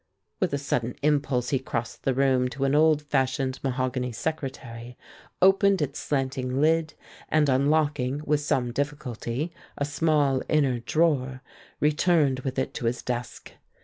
With a sudden impulse he crossed the room to an old fashioned mahogany secretary, opened its slanting lid, and unlocking with some difficulty a small inner drawer, returned with it to his desk.